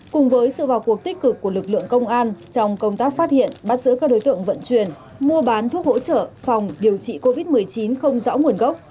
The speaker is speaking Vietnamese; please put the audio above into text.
cùng với sự vào cuộc tích cực của lực lượng công an trong công tác phát hiện bắt giữ các đối tượng vận chuyển mua bán thuốc hỗ trợ phòng điều trị covid một mươi chín không rõ nguồn gốc